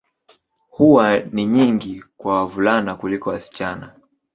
Huwa ni nyingi kwa wavulana kuliko wasichana.